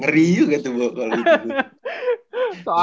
ngeri juga tuh bawa kalau gitu